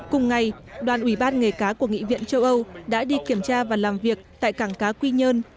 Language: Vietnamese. cùng ngày đoàn ủy ban nghề cá của nghị viện châu âu đã đi kiểm tra và làm việc tại cảng cá quy nhơn